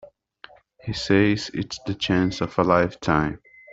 He says it's the chance of a lifetime.